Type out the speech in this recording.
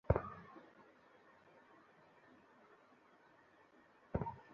Sir Nayna Roy, Mumbai পুলিশের সামনের হেডকোয়ার্টারে কে যেনো বোমা ফিট করেছে।